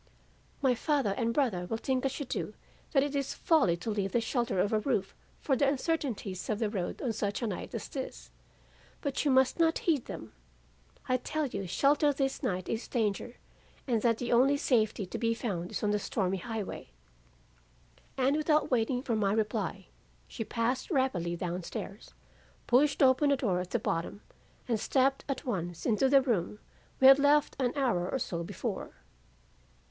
'My father and brother will think as you do that it is folly to leave the shelter of a roof for the uncertainties of the road on such a night as this, but you must not heed them. I tell you shelter this night is danger, and that the only safety to be found is on the stormy highway.' "And without waiting for my reply, she passed rapidly down stairs, pushed open a door at the bottom, and stepped at once into the room we had left an hour or so before.